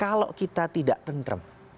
kalau kita tidak tentrem